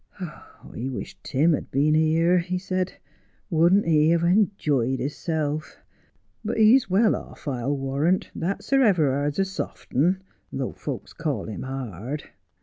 ' I wish Tim had been here/ he said. 'Wouldn't he ha' enjoyed hisself ? But ee's well off, I'll warrant. That Sir Everard's a soft un, though folks calls him hard.'